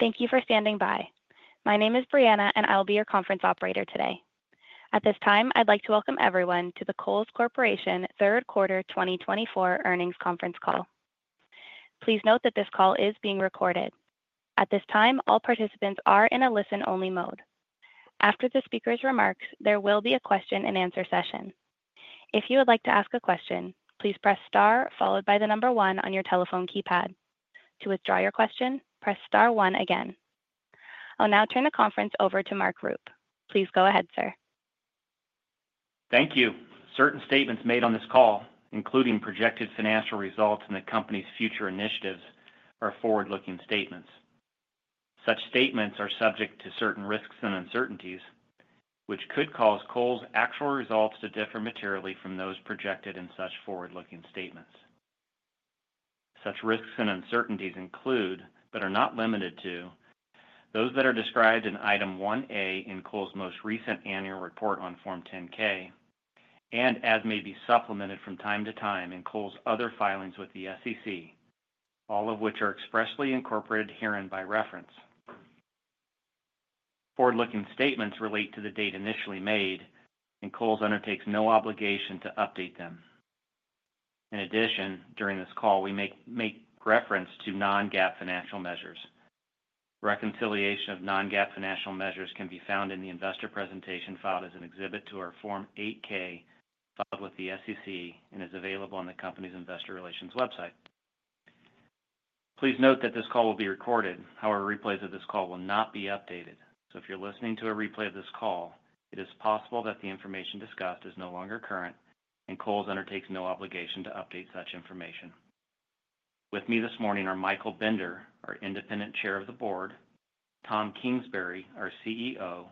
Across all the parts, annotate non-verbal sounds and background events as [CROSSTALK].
Thank you for standing by. My name is Brianna, and I'll be your conference operator today. At this time, I'd like to welcome everyone to the Kohl's Corporation Third Quarter 2024 earnings conference call. Please note that this call is being recorded. At this time, all participants are in a listen-only mode. After the speaker's remarks, there will be a question-and-answer session. If you would like to ask a question, please press star followed by the number one on your telephone keypad. To withdraw your question, press star one again. I'll now turn the conference over to Mark Rupe. Please go ahead, sir. Thank you. Certain statements made on this call, including projected financial results and the company's future initiatives, are forward-looking statements. Such statements are subject to certain risks and uncertainties, which could cause Kohl's actual results to differ materially from those projected in such forward-looking statements. Such risks and uncertainties include, but are not limited to, those that are described in item 1A in Kohl's most recent annual report on Form 10-K, and as may be supplemented from time to time in Kohl's other filings with the SEC, all of which are expressly incorporated herein by reference. Forward-looking statements relate to the date initially made, and Kohl's undertakes no obligation to update them. In addition, during this call, we make reference to non-GAAP financial measures. Reconciliation of non-GAAP financial measures can be found in the investor presentation filed as an exhibit to our Form 8-K filed with the SEC and is available on the company's investor relations website. Please note that this call will be recorded. However, replays of this call will not be updated. So if you're listening to a replay of this call, it is possible that the information discussed is no longer current, and Kohl's undertakes no obligation to update such information. With me this morning are Michael Bender, our Independent Chair of the Board, Tom Kingsbury, our CEO,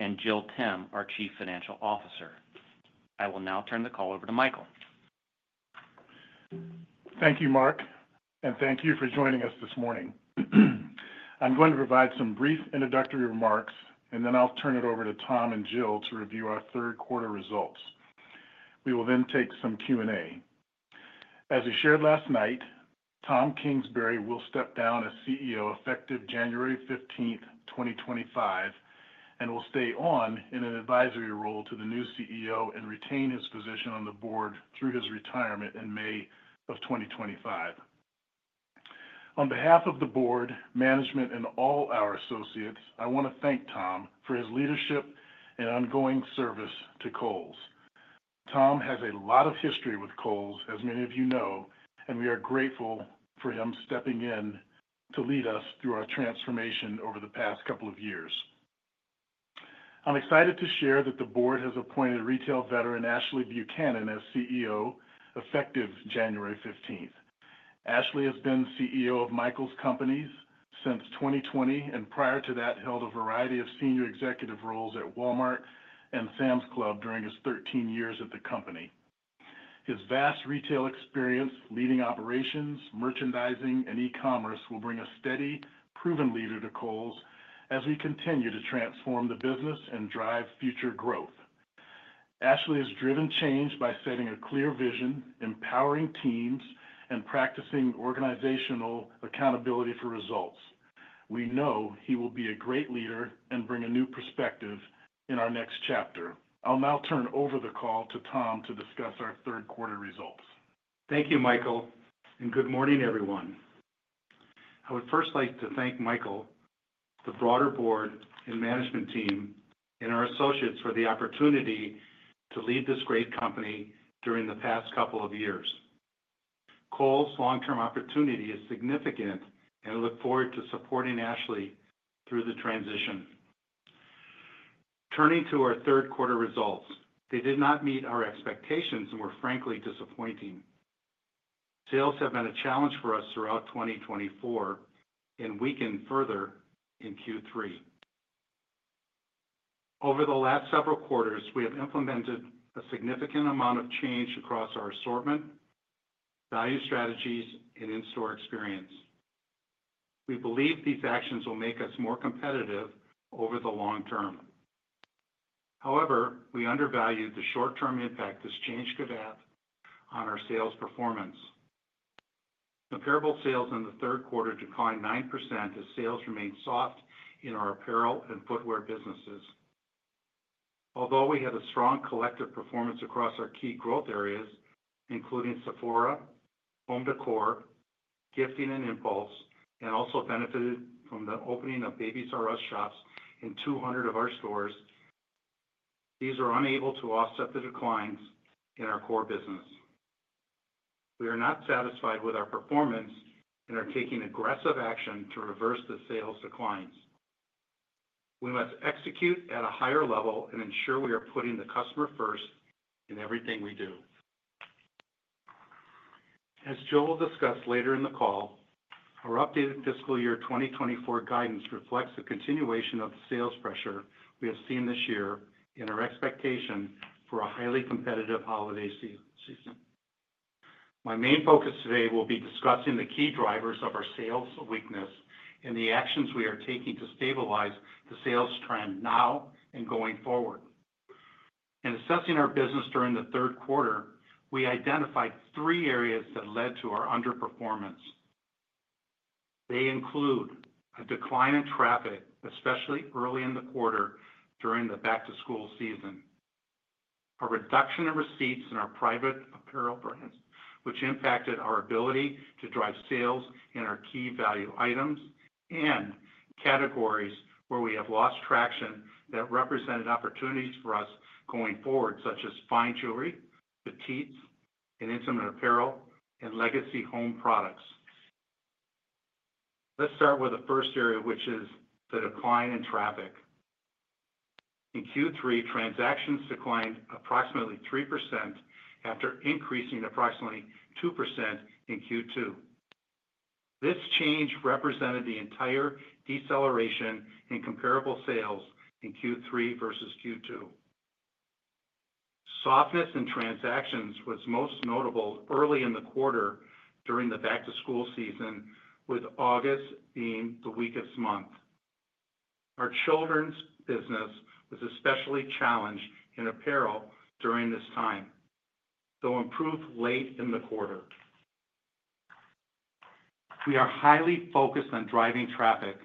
and Jill Timm, our Chief Financial Officer. I will now turn the call over to Michael. Thank you, Mark, and thank you for joining us this morning. I'm going to provide some brief introductory remarks, and then I'll turn it over to Tom and Jill to review our third quarter results. We will then take some Q&A. As we shared last night, Tom Kingsbury will step down as CEO effective January 15th, 2025, and will stay on in an advisory role to the new CEO and retain his position on the board through his retirement in May of 2025. On behalf of the board, management, and all our associates, I want to thank Tom for his leadership and ongoing service to Kohl's. Tom has a lot of history with Kohl's, as many of you know, and we are grateful for him stepping in to lead us through our transformation over the past couple of years. I'm excited to share that the board has appointed retail veteran Ashley Buchanan as CEO effective January 15th. Ashley has been CEO of The Michaels Companies since 2020 and prior to that held a variety of senior executive roles at Walmart and Sam's Club during his 13 years at the company. His vast retail experience, leading operations, merchandising, and e-commerce will bring a steady, proven leader to Kohl's as we continue to transform the business and drive future growth. Ashley has driven change by setting a clear vision, empowering teams, and practicing organizational accountability for results. We know he will be a great leader and bring a new perspective in our next chapter. I'll now turn over the call to Tom to discuss our third quarter results. Thank you, Michael, and good morning, everyone. I would first like to thank Michael, the broader board and management team, and our associates for the opportunity to lead this great company during the past couple of years. Kohl's long-term opportunity is significant, and I look forward to supporting Ashley through the transition. Turning to our third quarter results, they did not meet our expectations and were frankly disappointing. Sales have been a challenge for us throughout 2024 and weakened further in Q3. Over the last several quarters, we have implemented a significant amount of change across our assortment, value strategies, and in-store experience. We believe these actions will make us more competitive over the long term. However, we undervalued the short-term impact this change could have on our sales performance. Apparel sales in the third quarter declined 9% as sales remained soft in our apparel and footwear businesses. Although we had a strong collective performance across our key growth areas, including Sephora, Home Decor, Gifting, and Impulse, and also benefited from the opening of Babies "R" Us shops in 200 of our stores, these are unable to offset the declines in our core business. We are not satisfied with our performance and are taking aggressive action to reverse the sales declines. We must execute at a higher level and ensure we are putting the customer first in everything we do. As Jill will discuss later in the call, our updated fiscal year 2024 guidance reflects the continuation of the sales pressure we have seen this year and our expectation for a highly competitive holiday season. My main focus today will be discussing the key drivers of our sales weakness and the actions we are taking to stabilize the sales trend now and going forward. In assessing our business during the third quarter, we identified three areas that led to our underperformance. They include a decline in traffic, especially early in the quarter during the back-to-school season, a reduction in receipts in our private apparel brands, which impacted our ability to drive sales in our key value items and categories where we have lost traction that represented opportunities for us going forward, such as fine jewelry, bath and body, and intimate apparel, and legacy home products. Let's start with the first area, which is the decline in traffic. In Q3, transactions declined approximately 3% after increasing approximately 2% in Q2. This change represented the entire deceleration in comparable sales in Q3 versus Q2. Softness in transactions was most notable early in the quarter during the back-to-school season, with August being the weakest month. Our children's business was especially challenged in apparel during this time, though improved late in the quarter. We are highly focused on driving traffic.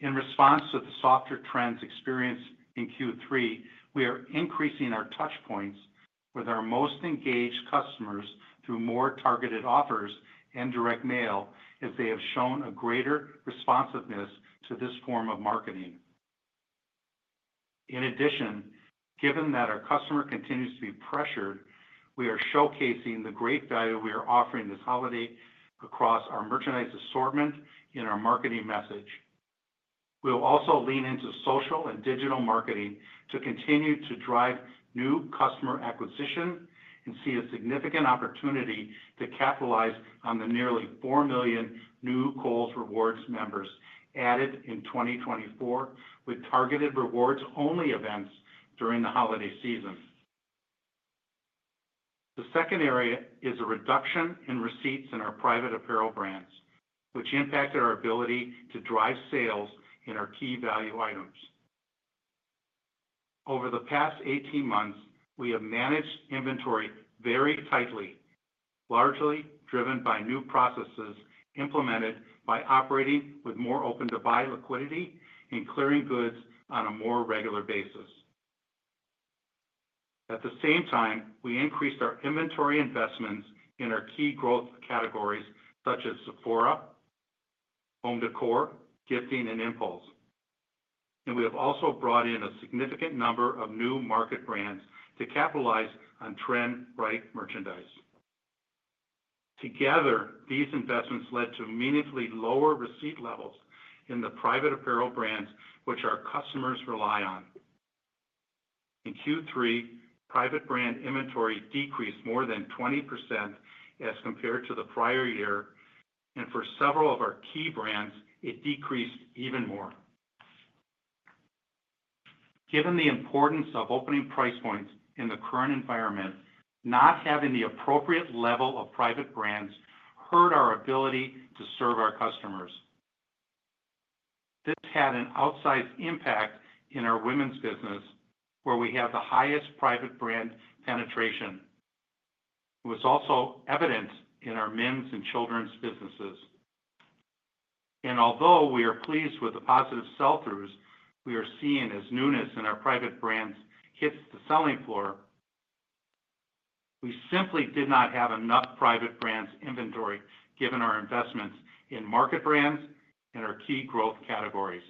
In response to the softer trends experienced in Q3, we are increasing our touchpoints with our most engaged customers through more targeted offers and direct mail, as they have shown a greater responsiveness to this form of marketing. In addition, given that our customer continues to be pressured, we are showcasing the great value we are offering this holiday across our merchandise assortment and our marketing message. We will also lean into social and digital marketing to continue to drive new customer acquisition and see a significant opportunity to capitalize on the nearly four million new Kohl's Rewards members added in 2024 with targeted rewards-only events during the holiday season. The second area is a reduction in receipts in our private apparel brands, which impacted our ability to drive sales in our key value items. Over the past 18 months, we have managed inventory very tightly, largely driven by new processes implemented by operating with more open-to-buy liquidity and clearing goods on a more regular basis. At the same time, we increased our inventory investments in our key growth categories such as Sephora, Home Decor, Gifting, and Impulse. And we have also brought in a significant number of new market brands to capitalize on trend-right merchandise. Together, these investments led to meaningfully lower receipt levels in the private apparel brands, which our customers rely on. In Q3, private brand inventory decreased more than 20% as compared to the prior year, and for several of our key brands, it decreased even more. Given the importance of opening price points in the current environment, not having the appropriate level of private brands hurt our ability to serve our customers. This had an outsized impact in our women's business, where we have the highest private brand penetration. It was also evident in our men's and children's businesses, and although we are pleased with the positive sell-throughs we are seeing as newness in our private brands hits the selling floor, we simply did not have enough private brands inventory given our investments in market brands and our key growth categories.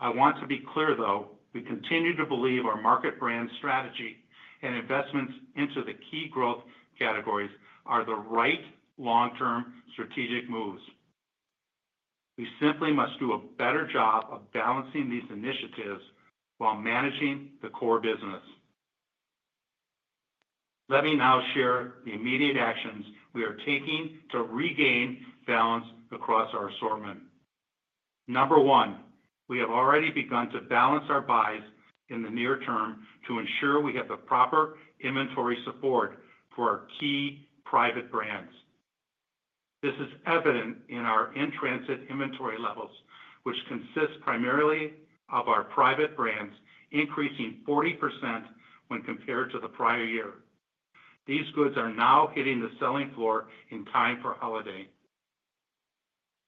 I want to be clear, though, we continue to believe our market brand strategy and investments into the key growth categories are the right long-term strategic moves. We simply must do a better job of balancing these initiatives while managing the core business. Let me now share the immediate actions we are taking to regain balance across our assortment. Number one, we have already begun to balance our buys in the near term to ensure we have the proper inventory support for our key private brands. This is evident in our in-transit inventory levels, which consist primarily of our private brands increasing 40% when compared to the prior year. These goods are now hitting the selling floor in time for holiday.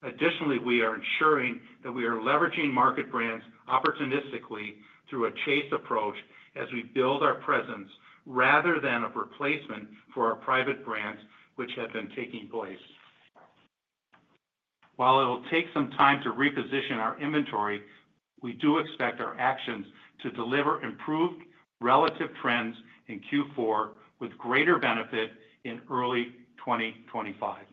Additionally, we are ensuring that we are leveraging market brands opportunistically through a chase approach as we build our presence rather than a replacement for our private brands, which have been taking place. While it will take some time to reposition our inventory, we do expect our actions to deliver improved relative trends in Q4 with greater benefit in early 2025.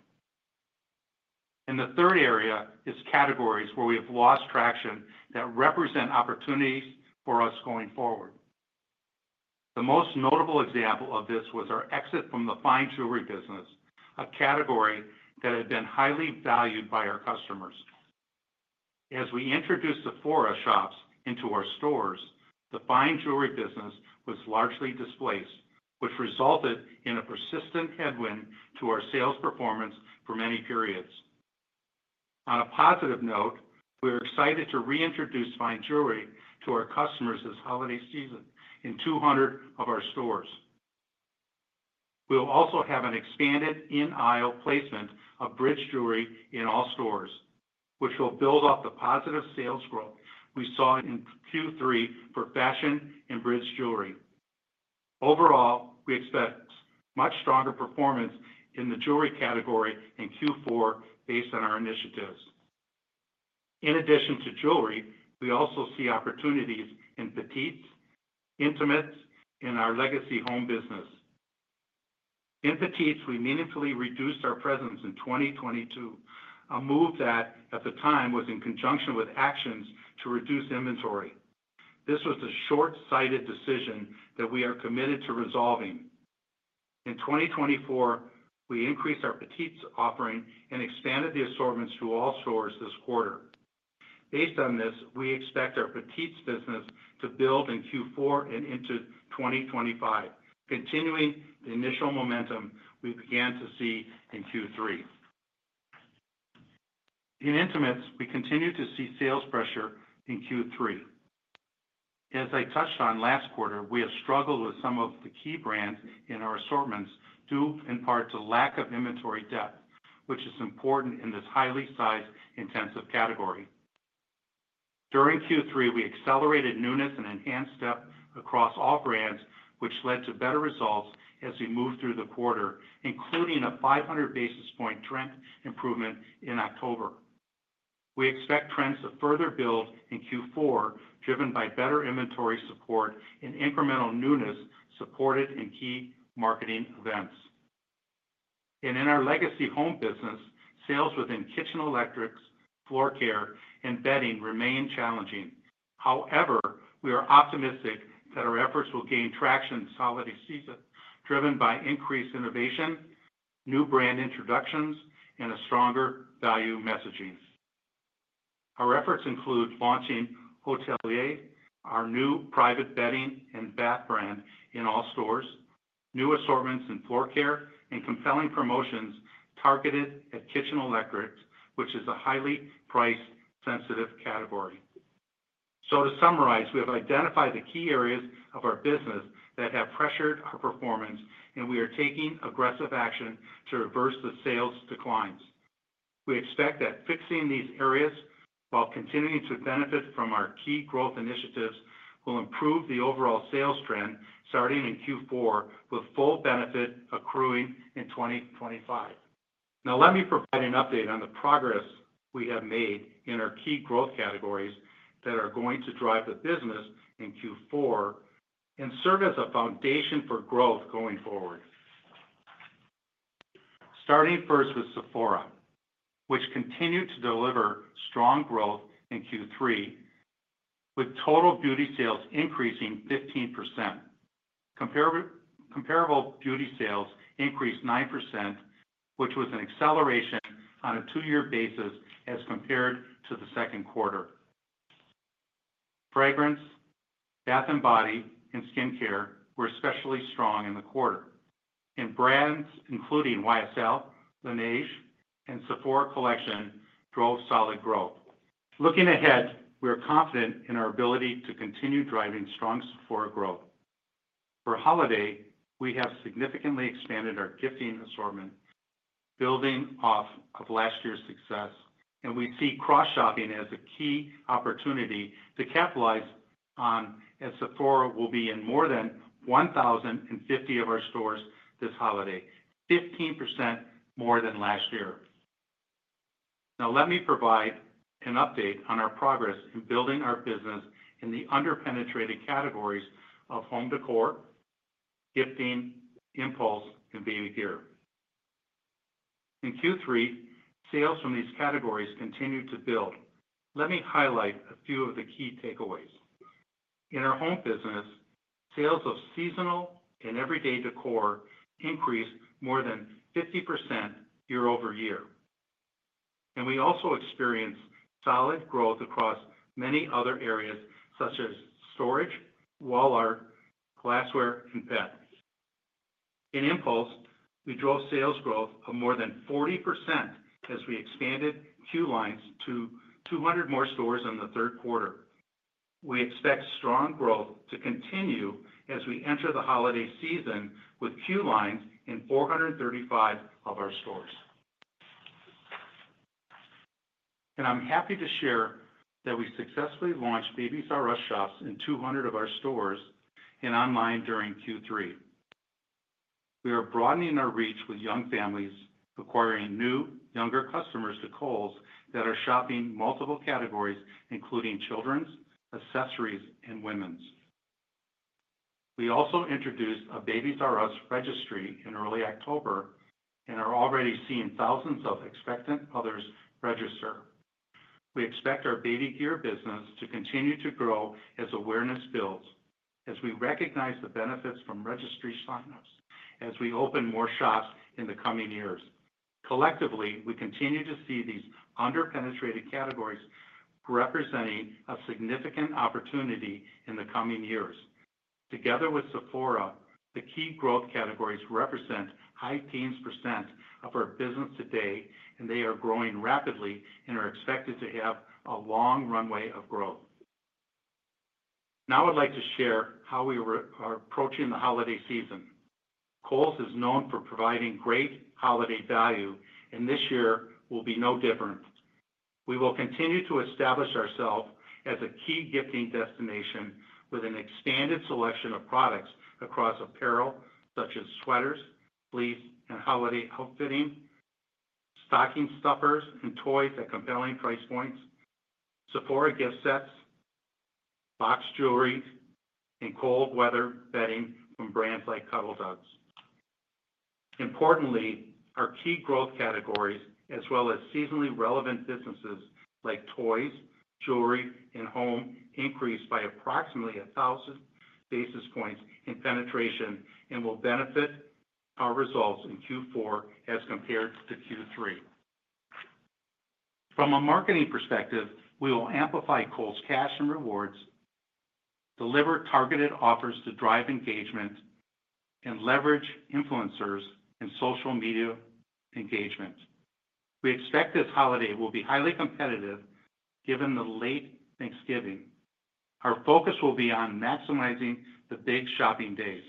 The third area is categories where we have lost traction that represent opportunities for us going forward. The most notable example of this was our exit from the fine jewelry business, a category that had been highly valued by our customers. As we introduced Sephora shops into our stores, the fine jewelry business was largely displaced, which resulted in a persistent headwind to our sales performance for many periods. On a positive note, we are excited to reintroduce fine jewelry to our customers this holiday season in 200 of our stores. We will also have an expanded in-aisle placement of bridge jewelry in all stores, which will build off the positive sales growth we saw in Q3 for fashion and bridge jewelry. Overall, we expect much stronger performance in the jewelry category in Q4 based on our initiatives. In addition to jewelry, we also see opportunities in Petites, Intimates, and our Legacy Home business. In basics, we meaningfully reduced our presence in 2022, a move that, at the time, was in conjunction with actions to reduce inventory. This was a short-sighted decision that we are committed to resolving. In 2024, we increased our Petites offering and expanded the assortments to all stores this quarter. Based on this, we expect our Petites business to build in Q4 and into 2025, continuing the initial momentum we began to see in Q3. In Intimates, we continue to see sales pressure in Q3. As I touched on last quarter, we have struggled with some of the key brands in our assortments due in part to lack of inventory depth, which is important in this highly size-intensive category. During Q3, we accelerated newness and enhanced depth across all brands, which led to better results as we moved through the quarter, including a 500 basis point trend improvement in October. We expect trends to further build in Q4, driven by better inventory support and incremental newness supported in key marketing events. In our Legacy Home business, sales within kitchen electrics, floor care, and bedding remain challenging. However, we are optimistic that our efforts will gain traction this holiday season, driven by increased innovation, new brand introductions, and a stronger value messaging. Our efforts include launching Hotelier, our new private bedding and bath brand in all stores, new assortments in floor care, and compelling promotions targeted at kitchen electrics, which is a highly price-sensitive category. So, to summarize, we have identified the key areas of our business that have pressured our performance, and we are taking aggressive action to reverse the sales declines. We expect that fixing these areas while continuing to benefit from our key growth initiatives will improve the overall sales trend starting in Q4, with full benefit accruing in 2025. Now, let me provide an update on the progress we have made in our key growth categories that are going to drive the business in Q4 and serve as a foundation for growth going forward. Starting first with Sephora, which continued to deliver strong growth in Q3, with total beauty sales increasing 15%. Comparable beauty sales increased 9%, which was an acceleration on a two-year basis as compared to the second quarter. Fragrance, bath and body, and skincare were especially strong in the quarter. Brands including YSL, Laneige, and Sephora Collection drove solid growth. Looking ahead, we are confident in our ability to continue driving strong Sephora growth. For holiday, we have significantly expanded our gifting assortment, building off of last year's success, and we see cross-shopping as a key opportunity to capitalize on as Sephora will be in more than 1,050 of our stores this holiday, 15% more than last year. Now, let me provide an update on our progress in building our business in the under-penetrated categories of Home Decor, Gifting, Impulse, and Baby Gear. In Q3, sales from these categories continued to build. Let me highlight a few of the key takeaways. In our Home business, sales of seasonal and everyday decor increased more than 50% year over year. We also experienced solid growth across many other areas such as storage, wall art, glassware, and pets. In Impulse, we drove sales growth of more than 40% as we expanded Queue Lines to 200 more stores in the third quarter. We expect strong growth to continue as we enter the holiday season with Queue Lines in 435 of our stores. And I'm happy to share that we successfully launched Babies "R" Us shops in 200 of our stores and online during Q3. We are broadening our reach with young families, acquiring new younger customers to Kohl's that are shopping multiple categories, including children's, accessories, and women's. We also introduced a Babies "R" Us registry in early October and are already seeing thousands of expectant mothers register. We expect our Baby Gear business to continue to grow as awareness builds as we recognize the benefits from registry sign-ups as we open more shops in the coming years. Collectively, we continue to see these under-penetrated categories representing a significant opportunity in the coming years. Together with Sephora, the key growth categories represent high teens% of our business today, and they are growing rapidly and are expected to have a long runway of growth. Now, I'd like to share how we are approaching the holiday season. Kohl's is known for providing great holiday value, and this year will be no different. We will continue to establish ourselves as a key gifting destination with an expanded selection of products across apparel such as sweaters, fleece, and holiday outfitting, stocking stuffers and toys at compelling price points, Sephora gift sets, boxed jewelry, and cold-weather bedding from brands like Cuddl Duds. Importantly, our key growth categories, as well as seasonally relevant businesses like toys, jewelry, and home, increased by approximately 1,000 basis points in penetration and will benefit our results in Q4 as compared to Q3. From a marketing perspective, we will amplify Kohl's Cash and Rewards, deliver targeted offers to drive engagement, and leverage influencers and social media engagement. We expect this holiday will be highly competitive given the late Thanksgiving. Our focus will be on maximizing the big shopping days.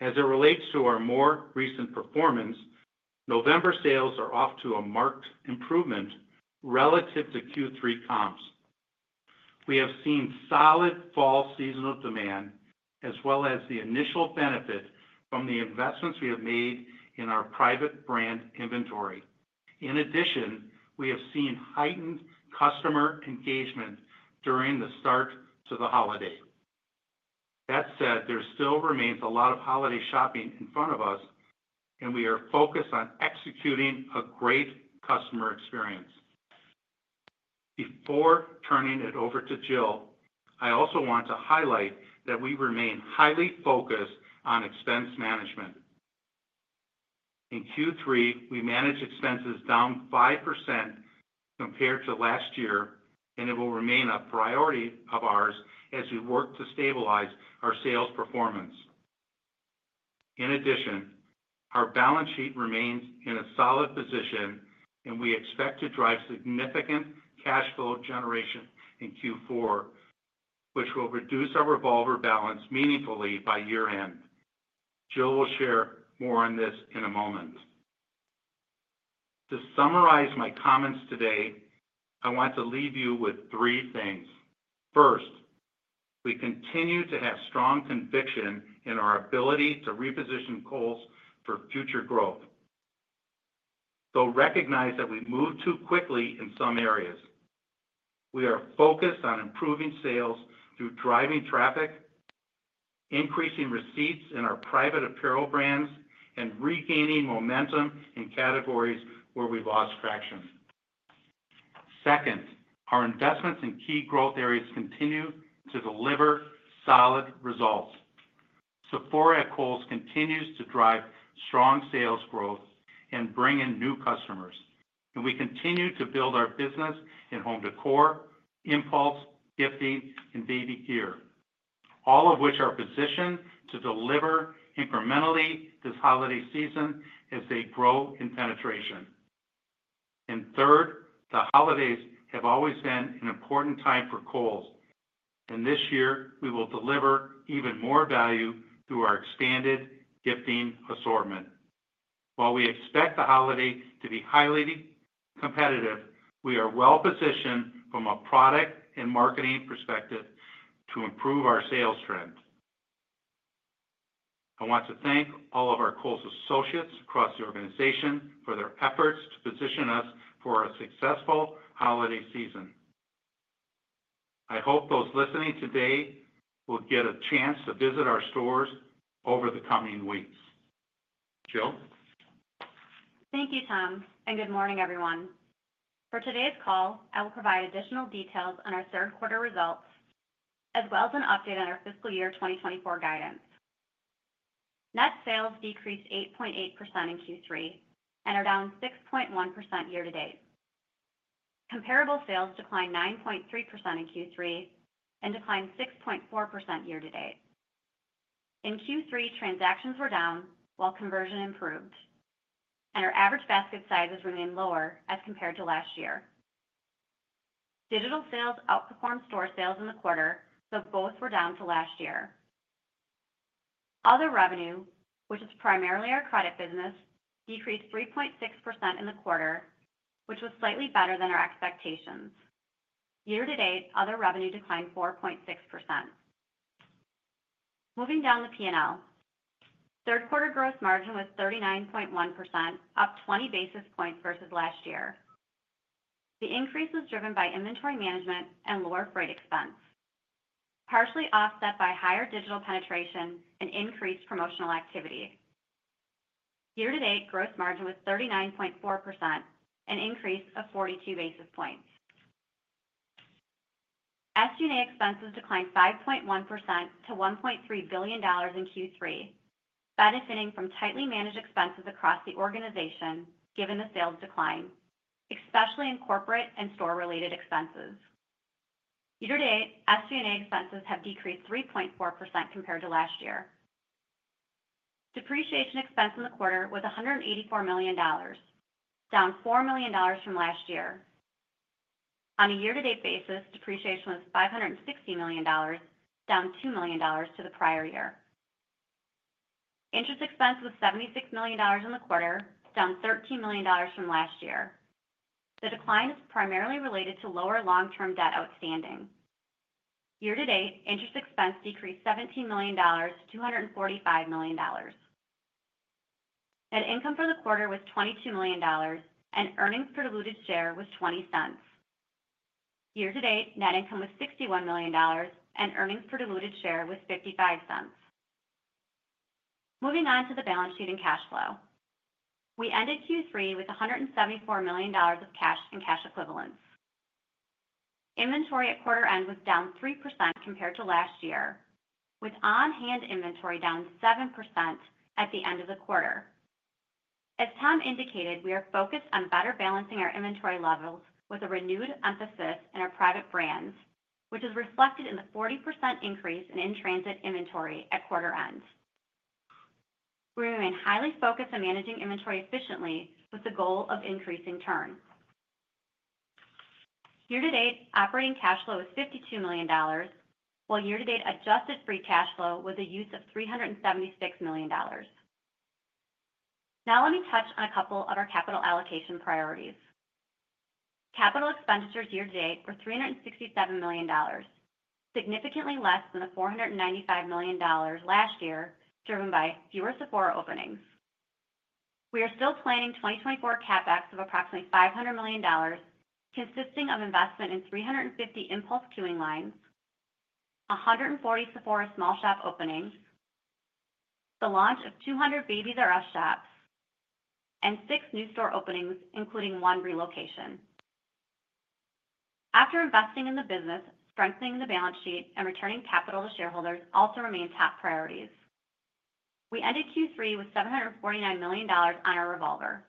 As it relates to our more recent performance, November sales are off to a marked improvement relative to Q3 comps. We have seen solid fall seasonal demand as well as the initial benefit from the investments we have made in our private brand inventory. In addition, we have seen heightened customer engagement during the start to the holiday. That said, there still remains a lot of holiday shopping in front of us, and we are focused on executing a great customer experience. Before turning it over to Jill, I also want to highlight that we remain highly focused on expense management. In Q3, we managed expenses down 5% compared to last year, and it will remain a priority of ours as we work to stabilize our sales performance. In addition, our balance sheet remains in a solid position, and we expect to drive significant cash flow generation in Q4, which will reduce our revolver balance meaningfully by year-end. Jill will share more on this in a moment. To summarize my comments today, I want to leave you with three things. First, we continue to have strong conviction in our ability to reposition Kohl's for future growth. Though recognized that we moved too quickly in some areas, we are focused on improving sales through driving traffic, increasing receipts in our private apparel brands, and regaining momentum in categories where we lost traction. Second, our investments in key growth areas continue to deliver solid results. Sephora at Kohl's continues to drive strong sales growth and bring in new customers. And we continue to build our business in Home Decor, Impulse, Gifting, and Baby Gear, all of which are positioned to deliver incrementally this holiday season as they grow in penetration. And third, the holidays have always been an important time for Kohl's. And this year, we will deliver even more value through our expanded gifting assortment. While we expect the holiday to be highly competitive, we are well-positioned from a product and marketing perspective to improve our sales trend. I want to thank all of our Kohl's associates across the organization for their efforts to position us for a successful holiday season. I hope those listening today will get a chance to visit our stores over the coming weeks. Jill? Thank you, Tom. And good morning, everyone. For today's call, I will provide additional details on our third-quarter results as well as an update on our fiscal year 2024 guidance. Net sales decreased 8.8% in Q3 and are down 6.1% year-to-date. Comparable sales declined 9.3% in Q3 and declined 6.4% year-to-date. In Q3, transactions were down while conversion improved, and our average basket sizes remain lower as compared to last year. Digital sales outperformed store sales in the quarter, though both were down to last year. Other revenue, which is primarily our credit business, decreased 3.6% in the quarter, which was slightly better than our expectations. Year-to-date, other revenue declined 4.6%. Moving down the P&L, third-quarter gross margin was 39.1%, up 20 basis points versus last year. The increase was driven by inventory management and lower freight expense, partially offset by higher digital penetration and increased promotional activity. Year-to-date, gross margin was 39.4%, an increase of 42 basis points. SG&A expenses declined 5.1% to $1.3 billion in Q3, benefiting from tightly managed expenses across the organization given the sales decline, especially in corporate and store-related expenses. Year-to-date, SG&A expenses have decreased 3.4% compared to last year. Depreciation expense in the quarter was $184 million, down $4 million from last year. On a year-to-date basis, depreciation was $560 million, down $2 million to the prior year. Interest expense was $76 million in the quarter, down $13 million from last year. The decline is primarily related to lower long-term debt outstanding. Year-to-date, interest expense decreased $17 million to $245 million. Net income for the quarter was $22 million, and earnings per diluted share was $0.20. Year-to-date, net income was $61 million, and earnings per diluted share was $0.55. Moving on to the balance sheet and cash flow. We ended Q3 with $174 million of cash and cash equivalents. Inventory at quarter-end was down 3% compared to last year, with on-hand inventory down 7% at the end of the quarter. As Tom indicated, we are focused on better balancing our inventory levels with a renewed emphasis in our private brands, which is reflected in the 40% increase in in-transit inventory at quarter-end. We remain highly focused on managing inventory efficiently with the goal of increasing turn. Year-to-date, operating cash flow was $52 million, while year-to-date adjusted free cash flow was a use of $376 million. Now, let me touch on a couple of our capital allocation priorities. Capital expenditures year-to-date were $367 million, significantly less than the $495 million last year driven by fewer Sephora openings. We are still planning 2024 CapEx of approximately $500 million, consisting of investment in 350 impulse queuing lines, 140 Sephora small shop openings, the launch of 200 Babies R Us shops, and six new store openings, including one relocation. After investing in the business, strengthening the balance sheet, and returning capital to shareholders also remain top priorities. We ended Q3 with $749 million on our revolver.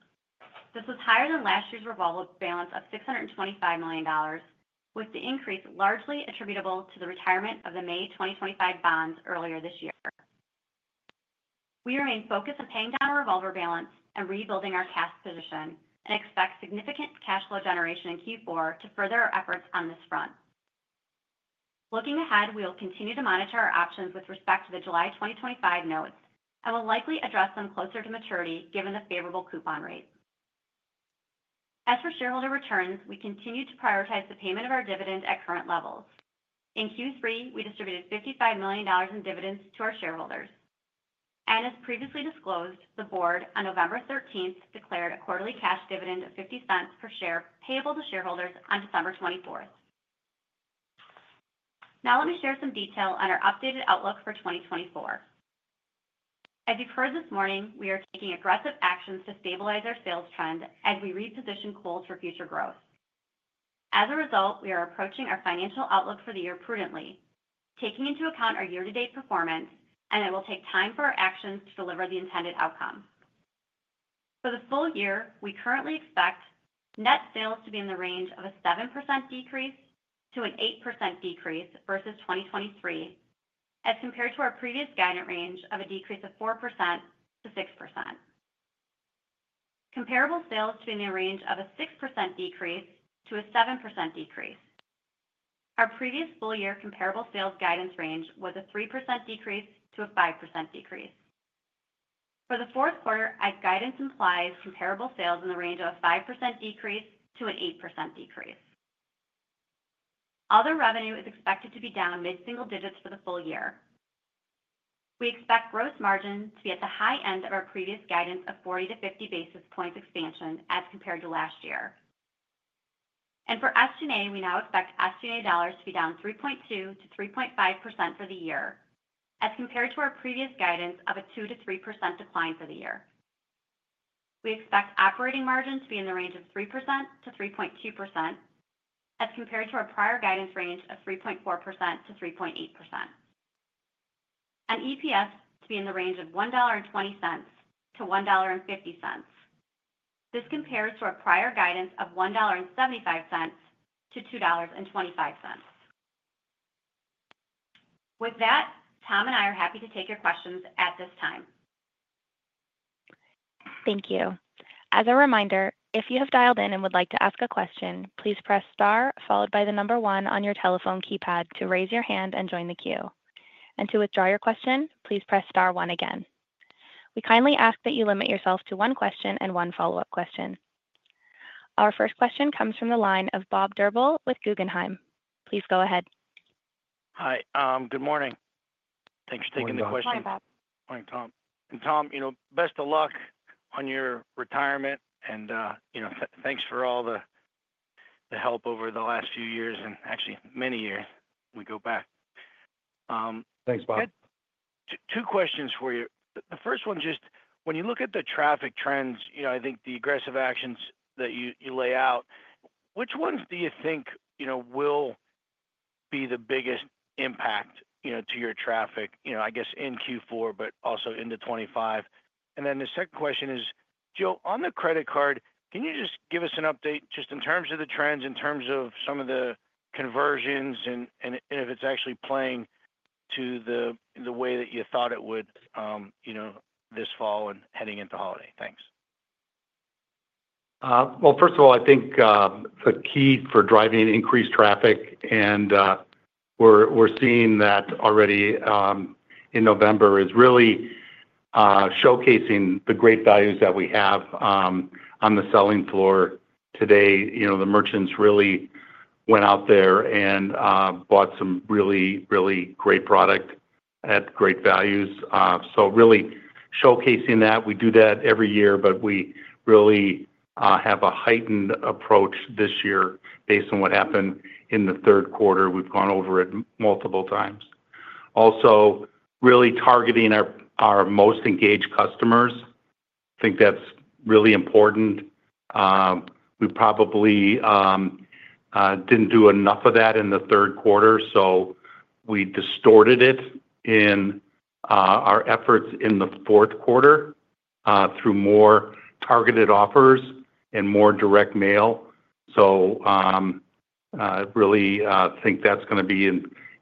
This was higher than last year's revolver balance of $625 million, with the increase largely attributable to the retirement of the May 2025 bonds earlier this year. We remain focused on paying down our revolver balance and rebuilding our cash position and expect significant cash flow generation in Q4 to further our efforts on this front. Looking ahead, we will continue to monitor our options with respect to the July 2025 notes and will likely address them closer to maturity given the favorable coupon rate. As for shareholder returns, we continue to prioritize the payment of our dividend at current levels. In Q3, we distributed $55 million in dividends to our shareholders, and as previously disclosed, the board on November 13th declared a quarterly cash dividend of $0.50 per share payable to shareholders on December 24th. Now, let me share some detail on our updated outlook for 2024. As you've heard this morning, we are taking aggressive actions to stabilize our sales trend as we reposition Kohl's for future growth. As a result, we are approaching our financial outlook for the year prudently, taking into account our year-to-date performance, and it will take time for our actions to deliver the intended outcome. For the full year, we currently expect net sales to be in the range of a 7%-8% decrease versus 2023, as compared to our previous guidance range of a 4%-6% decrease. Comparable sales to be in the range of a 6%-7% decrease. Our previous full-year comparable sales guidance range was a 3%-5% decrease. For the fourth quarter, our guidance implies comparable sales in the range of a 5%-8% decrease. Other revenue is expected to be down mid-single digits for the full year. We expect gross margin to be at the high end of our previous guidance of 40-50 basis points expansion as compared to last year. For SG&A, we now expect SG&A dollars to be down 3.2%-3.5% for the year as compared to our previous guidance of a 2%-3% decline for the year. We expect operating margin to be in the range of 3%-3.2% as compared to our prior guidance range of 3.4%-3.8%. EPS to be in the range of $1.20-$1.50. This compares to our prior guidance of $1.75-$2.25. With that, Tom and I are happy to take your questions at this time. Thank you. As a reminder, if you have dialed in and would like to ask a question, please press star followed by the number one on your telephone keypad to raise your hand and join the queue. And to withdraw your question, please press star one again. We kindly ask that you limit yourself to one question and one follow-up question. Our first question comes from the line of Bob Drbul with Guggenheim. Please go ahead. Hi. Good morning. Thanks for taking the question. [CROSSTALK] And Tom, best of luck on your retirement. And thanks for all the help over the last few years and actually many years. We go back. [CROSSTALK] Two questions for you. The first one, just when you look at the traffic trends, I think the aggressive actions that you lay out, which ones do you think will be the biggest impact to your traffic, I guess, in Q4, but also into 2025? And then the second question is, Jill, on the credit card, can you just give us an update just in terms of the trends, in terms of some of the conversions, and if it's actually playing to the way that you thought it would this fall and heading into holiday? Thanks. Well, first of all, I think the key for driving increased traffic, and we're seeing that already in November, is really showcasing the great values that we have on the selling floor today. The merchants really went out there and bought some really, really great product at great values. So really showcasing that. We do that every year, but we really have a heightened approach this year based on what happened in the third quarter. We've gone over it multiple times. Also, really targeting our most engaged customers. I think that's really important. We probably didn't do enough of that in the third quarter, so we distorted it in our efforts in the fourth quarter through more targeted offers and more direct mail. So I really think that's going to be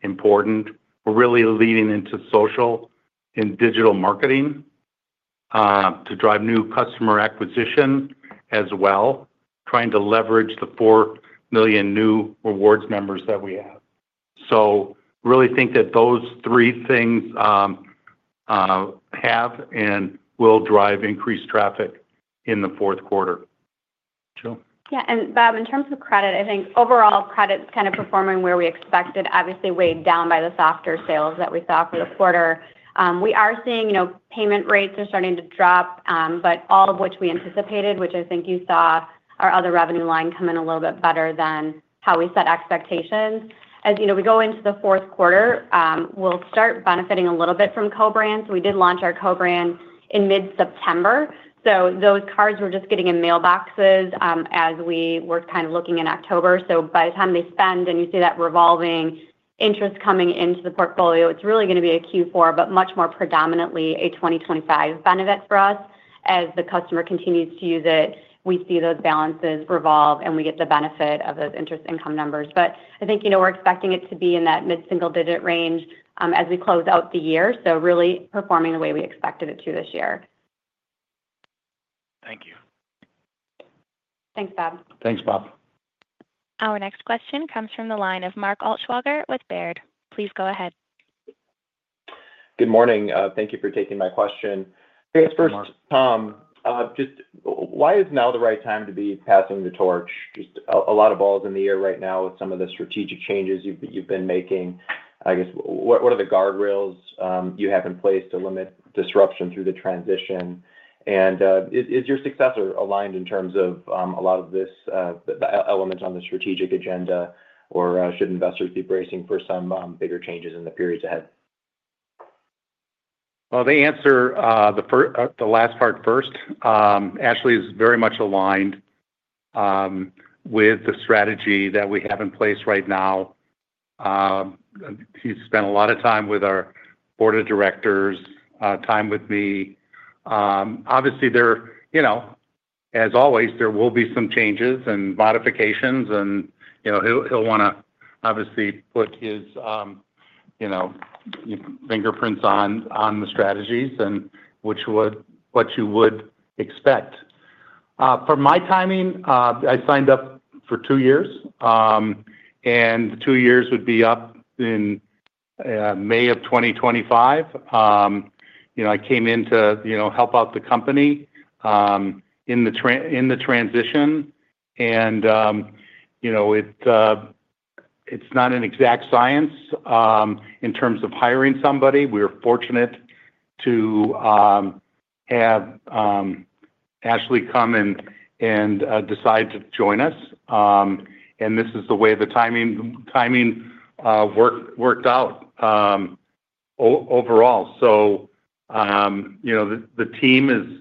important. We're really leaning into social and digital marketing to drive new customer acquisition as well, trying to leverage the four million new rewards members that we have. So really think that those three things have and will drive increased traffic in the fourth quarter. Jill? Yeah. And Bob, in terms of credit, I think overall credit's kind of performing where we expected, obviously weighed down by the softer sales that we saw for the quarter. We are seeing payment rates are starting to drop, but all of which we anticipated, which I think you saw our other revenue line come in a little bit better than how we set expectations. As we go into the fourth quarter, we'll start benefiting a little bit from co-brands. We did launch our co-brand in mid-September. So those cards were just getting in mailboxes as we were kind of looking in October. So by the time they spend and you see that revolving interest coming into the portfolio, it's really going to be a Q4, but much more predominantly a 2025 benefit for us. As the customer continues to use it, we see those balances revolve, and we get the benefit of those interest income numbers. But I think we're expecting it to be in that mid-single digit range as we close out the year, so really performing the way we expected it to this year. Thank you. Thanks, Bob. Thanks, Bob. Our next question comes from the line of Mark Altschwager with Baird. Please go ahead. Good morning. Thank you for taking my question. Thanks. Tom, just why is now the right time to be passing the torch? Just a lot of balls in the air right now with some of the strategic changes you've been making. I guess, what are the guardrails you have in place to limit disruption through the transition? Is your successor aligned in terms of a lot of this element on the strategic agenda, or should investors be bracing for some bigger changes in the periods ahead? Well, to answer the last part first. Ashley is very much aligned with the strategy that we have in place right now. He's spent a lot of time with our board of directors, time with me. Obviously, as always, there will be some changes and modifications, and he'll want to obviously put his fingerprints on the strategies, which is what you would expect. For my timing, I signed up for two years, and two years would be up in May of 2025. I came in to help out the company in the transition, and it's not an exact science in terms of hiring somebody. We were fortunate to have Ashley come and decide to join us, and this is the way the timing worked out overall. So the team is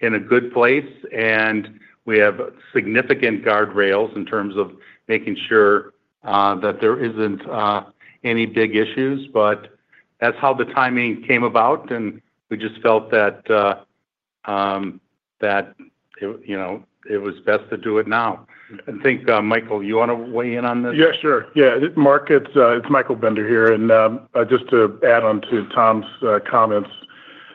in a good place, and we have significant guardrails in terms of making sure that there aren't any big issues. But that's how the timing came about, and we just felt that it was best to do it now. I think, Michael, you want to weigh in on this? Yeah, sure. Yeah. It's Michael Bender here. And just to add on to Tom's comments,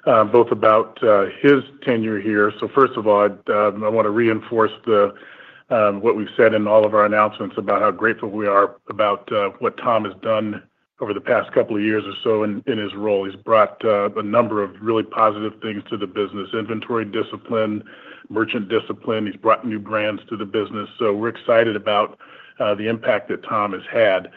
both about his tenure here. So first of all, I want to reinforce what we've said in all of our announcements about how grateful we are about what Tom has done over the past couple of years or so in his role. He's brought a number of really positive things to the business: inventory discipline, merchant discipline. He's brought new brands to the business, so we're excited about the impact that Tom has had.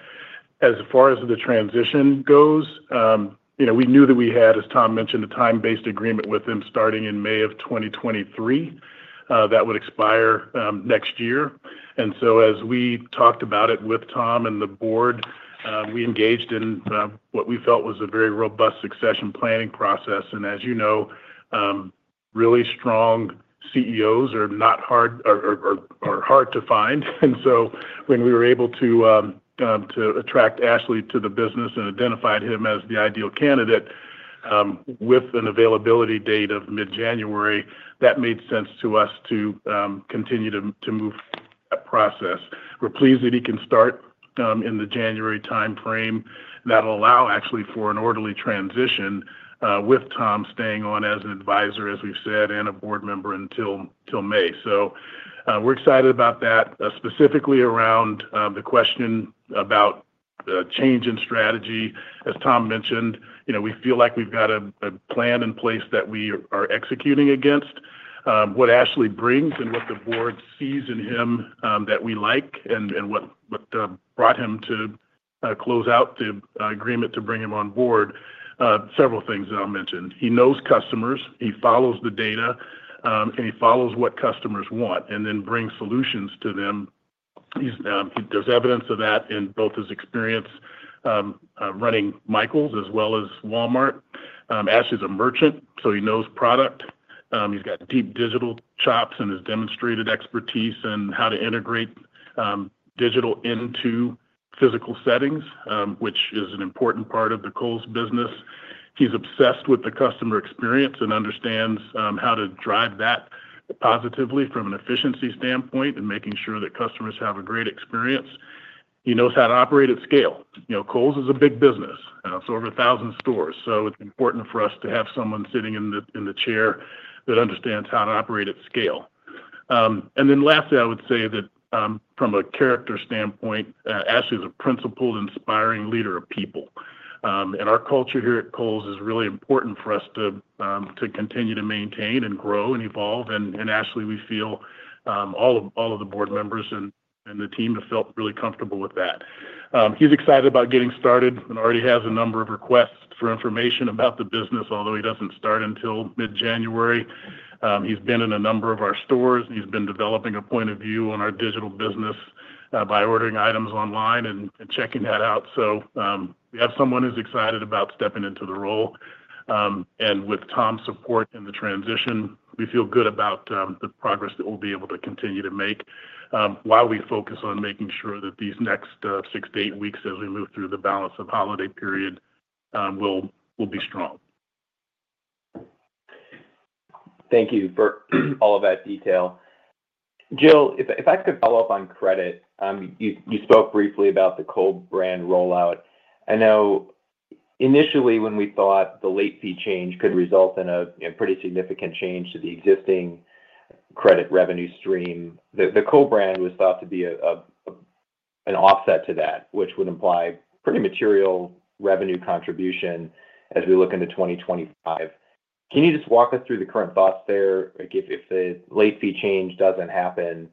As far as the transition goes, we knew that we had, as Tom mentioned, a time-based agreement with him starting in May of 2023 that would expire next year, and so as we talked about it with Tom and the board, we engaged in what we felt was a very robust succession planning process, and as you know, really strong CEOs are hard to find, and so when we were able to attract Ashley to the business and identified him as the ideal candidate with an availability date of mid-January, that made sense to us to continue to move that process. We're pleased that he can start in the January timeframe. That'll allow actually for an orderly transition with Tom staying on as an advisor, as we've said, and a board member until May. So we're excited about that. Specifically around the question about change in strategy, as Tom mentioned, we feel like we've got a plan in place that we are executing against. What Ashley brings and what the board sees in him that we like and what brought him to close out the agreement to bring him on board, several things that I'll mention. He knows customers. He follows the data, and he follows what customers want and then brings solutions to them. There's evidence of that in both his experience running Michaels as well as Walmart. Ashley's a merchant, so he knows product. He's got deep digital chops and has demonstrated expertise in how to integrate digital into physical settings, which is an important part of the Kohl's business. He's obsessed with the customer experience and understands how to drive that positively from an efficiency standpoint and making sure that customers have a great experience. He knows how to operate at scale. Kohl's is a big business. It's over 1,000 stores. So it's important for us to have someone sitting in the chair that understands how to operate at scale. And then lastly, I would say that from a character standpoint, Ashley's a principled, inspiring leader of people. And our culture here at Kohl's is really important for us to continue to maintain and grow and evolve. And Ashley, we feel all of the board members and the team have felt really comfortable with that. He's excited about getting started and already has a number of requests for information about the business, although he doesn't start until mid-January. He's been in a number of our stores, and he's been developing a point of view on our digital business by ordering items online and checking that out. So we have someone who's excited about stepping into the role. And with Tom's support in the transition, we feel good about the progress that we'll be able to continue to make while we focus on making sure that these next six to eight weeks, as we move through the balance of holiday period, will be strong. Thank you for all of that detail. Jill, if I could follow up on credit, you spoke briefly about the co-brand rollout. I know initially when we thought the late fee change could result in a pretty significant change to the existing credit revenue stream, the co-brand was thought to be an offset to that, which would imply pretty material revenue contribution as we look into 2025. Can you just walk us through the current thoughts there? If the late fee change doesn't happen,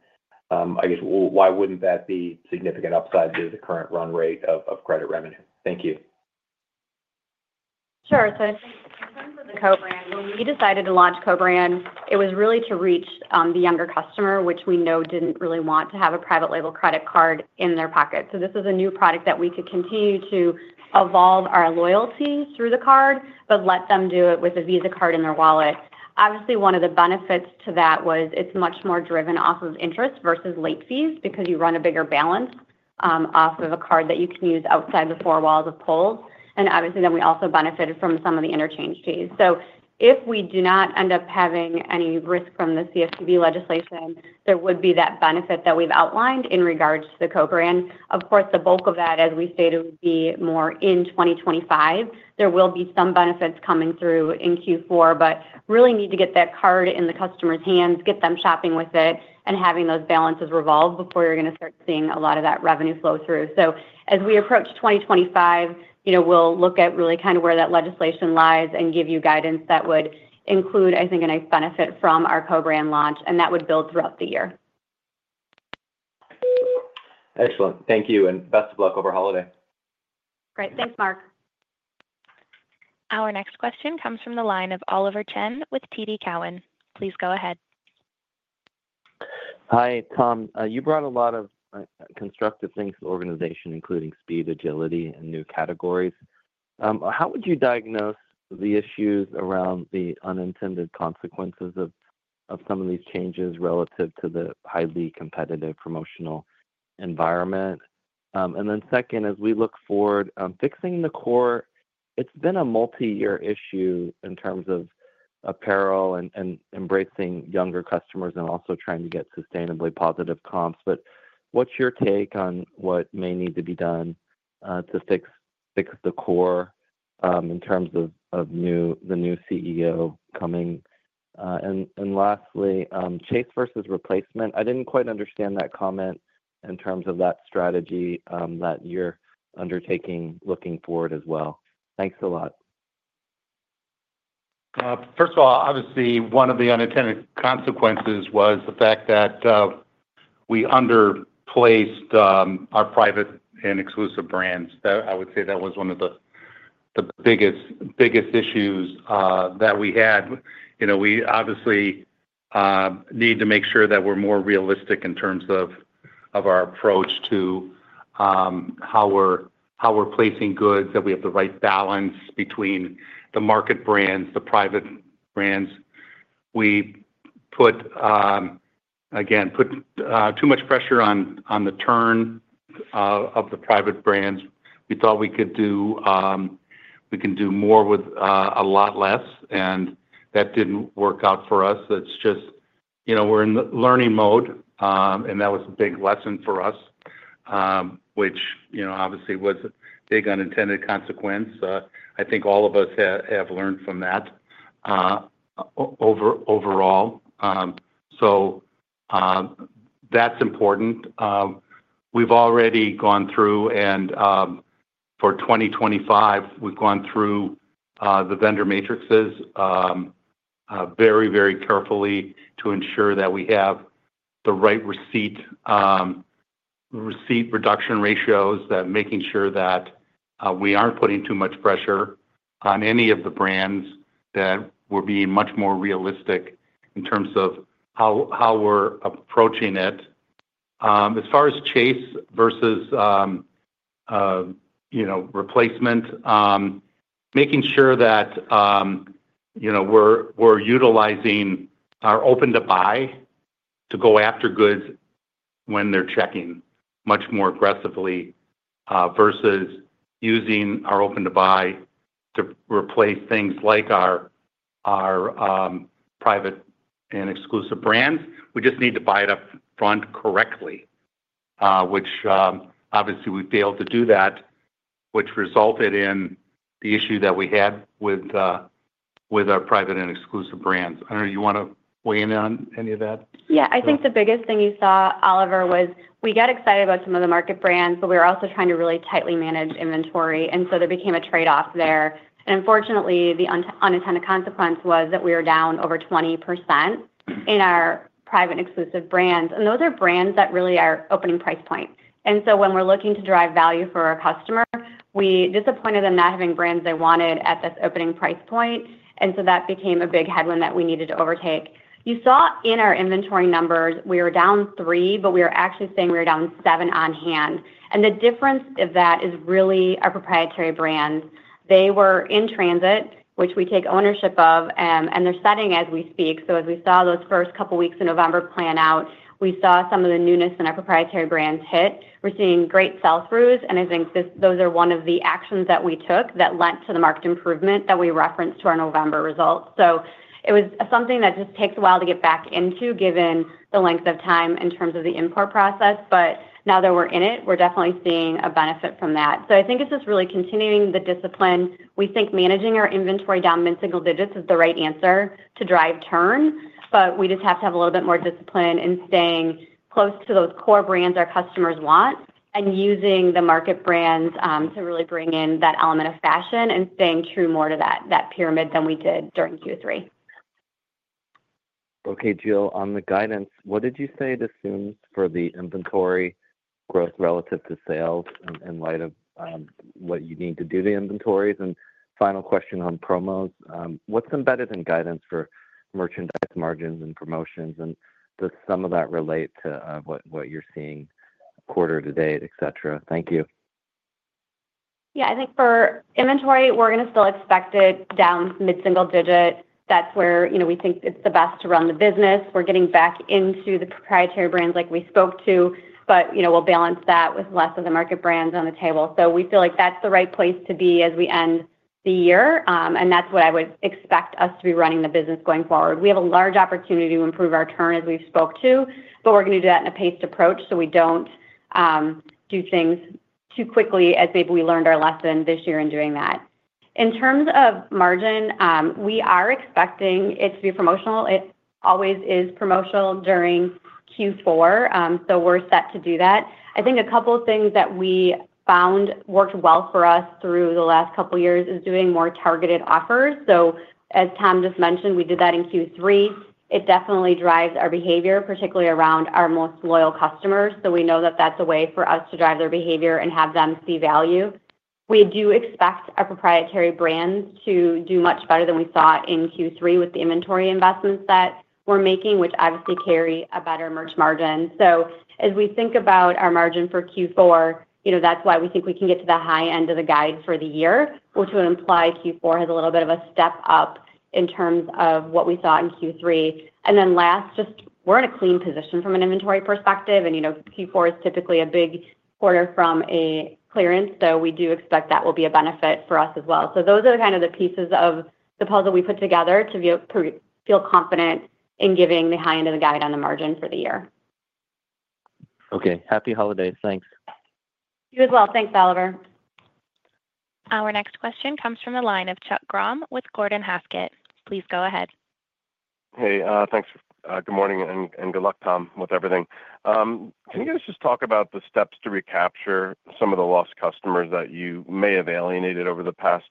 I guess, why wouldn't that be a significant upside to the current run rate of credit revenue? Thank you. Sure. So in terms of the co-brand, when we decided to launch co-brand, it was really to reach the younger customer, which we know didn't really want to have a private label credit card in their pocket. So this is a new product that we could continue to evolve our loyalty through the card, but let them do it with a Visa card in their wallet. Obviously, one of the benefits to that was it's much more driven off of interest versus late fees because you run a bigger balance off of a card that you can use outside the four walls of Kohl's. And obviously, then we also benefited from some of the interchange fees. So if we do not end up having any risk from the CFPB legislation, there would be that benefit that we've outlined in regards to the co-brand. Of course, the bulk of that, as we stated, would be more in 2025. There will be some benefits coming through in Q4, but really need to get that card in the customer's hands, get them shopping with it, and having those balances revolve before you're going to start seeing a lot of that revenue flow through. So as we approach 2025, we'll look at really kind of where that legislation lies and give you guidance that would include, I think, a nice benefit from our co-brand launch, and that would build throughout the year. Excellent. Thank you. And best of luck over holiday. Great.Thanks, Mark. Our next question comes from the line of Oliver Chen with TD Cowen. Please go ahead. Hi, Tom. You brought a lot of constructive things to the organization, including speed, agility, and new categories. How would you diagnose the issues around the unintended consequences of some of these changes relative to the highly competitive promotional environment? And then second, as we look forward, fixing the core, it's been a multi-year issue in terms of apparel and embracing younger customers and also trying to get sustainably positive comps. But what's your take on what may need to be done to fix the core in terms of the new CEO coming? And lastly, chase versus replacement. I didn't quite understand that comment in terms of that strategy that you're undertaking looking forward as well. Thanks a lot. First of all, obviously, one of the unintended consequences was the fact that we underplaced our private and exclusive brands. I would say that was one of the biggest issues that we had. We obviously need to make sure that we're more realistic in terms of our approach to how we're placing goods, that we have the right balance between the market brands, the private brands. We put, again, too much pressure on the turn of the private brands. We thought we could do more with a lot less, and that didn't work out for us. It's just we're in learning mode, and that was a big lesson for us, which obviously was a big unintended consequence. I think all of us have learned from that overall. So that's important. We've already gone through, and for 2025, we've gone through the vendor matrices very, very carefully to ensure that we have the right receipt reduction ratios, making sure that we aren't putting too much pressure on any of the brands, that we're being much more realistic in terms of how we're approaching it. As far as chase versus replacement, making sure that we're utilizing our open-to-buy to go after goods when they're checking much more aggressively versus using our open-to-buy to replace things like our private and exclusive brands. We just need to buy it up front correctly, which obviously we failed to do that, which resulted in the issue that we had with our private and exclusive brands. I don't know. You want to weigh in on any of that? Yeah. I think the biggest thing you saw, Oliver, was we got excited about some of the market brands, but we were also trying to really tightly manage inventory. And so there became a trade-off there. And unfortunately, the unintended consequence was that we were down over 20% in our private and exclusive brands. And those are brands that really are opening price points. And so when we're looking to drive value for our customer, we disappointed them not having brands they wanted at this opening price point. And so that became a big headwind that we needed to overtake. You saw in our inventory numbers, we were down three, but we were actually saying we were down seven on hand, and the difference of that is really our proprietary brands. They were in transit, which we take ownership of, and they're setting as we speak. So as we saw those first couple of weeks in November play out, we saw some of the newness in our proprietary brands hit. We're seeing great sales throughs, and I think those are one of the actions that we took that led to the market improvement that we referenced to our November results. So it was something that just takes a while to get back into given the length of time in terms of the import process, but now that we're in it, we're definitely seeing a benefit from that. So I think it's just really continuing the discipline. We think managing our inventory down mid-single digits is the right answer to drive turn. But we just have to have a little bit more discipline in staying close to those core brands our customers want and using the market brands to really bring in that element of fashion and staying true more to that pyramid than we did during Q3. Okay, Jill, on the guidance, what did you say it assumes for the inventory growth relative to sales in light of what you need to do to inventories? And final question on promos. What's embedded in guidance for merchandise margins and promotions? And does some of that relate to what you're seeing quarter to date, etc.? Thank you. Yeah. I think for inventory, we're going to still expect it down mid-single digit. That's where we think it's the best to run the business. We're getting back into the proprietary brands like we spoke to, but we'll balance that with less of the market brands on the table. So we feel like that's the right place to be as we end the year. And that's what I would expect us to be running the business going forward. We have a large opportunity to improve our turn as we've spoke to, but we're going to do that in a paced approach so we don't do things too quickly as maybe we learned our lesson this year in doing that. In terms of margin, we are expecting it to be promotional. It always is promotional during Q4. So we're set to do that. I think a couple of things that we found worked well for us through the last couple of years is doing more targeted offers. So as Tom just mentioned, we did that in Q3. It definitely drives our behavior, particularly around our most loyal customers. So we know that that's a way for us to drive their behavior and have them see value. We do expect our proprietary brands to do much better than we saw in Q3 with the inventory investments that we're making, which obviously carry a better merch margin. So as we think about our margin for Q4, that's why we think we can get to the high end of the guide for the year, which would imply Q4 has a little bit of a step up in terms of what we saw in Q3. And then last, just, we're in a clean position from an inventory perspective. And Q4 is typically a big quarter from a clearance. So we do expect that will be a benefit for us as well. So those are kind of the pieces of the puzzle we put together to feel confident in giving the high end of the guide on the margin for the year. Okay. Happy holidays. Thanks. You as well. Thanks, Oliver. Our next question comes from the line of Chuck Grom with Gordon Haskett. Please go ahead. Hey. Thanks. Good morning and good luck, Tom, with everything. Can you guys just talk about the steps to recapture some of the lost customers that you may have alienated over the past